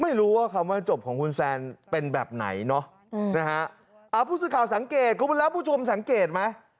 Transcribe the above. ไม่รู้ว่าคำว่าจบของคุณแซนเป็นแบบไหนเนาะพูดสุดข่าวสังเกตก็รับผู้ชมสังเกตไหม